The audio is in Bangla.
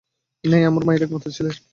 নেই, আমি মায়ের একমাত্র ছেলে।